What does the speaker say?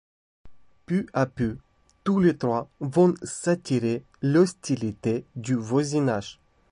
Peu à peu, tous les trois vont s'attirer l'hostilité du voisinage.